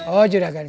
oh juga kan